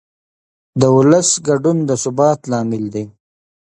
د ولس ګډون د ثبات لامل دی